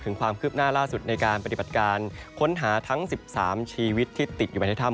ความคืบหน้าล่าสุดในการปฏิบัติการค้นหาทั้ง๑๓ชีวิตที่ติดอยู่ในถ้ำ